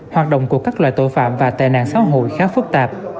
hoạt động của các loại tội phạm và tệ nạn xã hội khá phức tạp